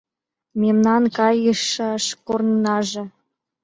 Мемнан кайышаш корнынаже